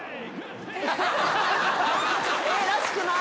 えっ？らしくない。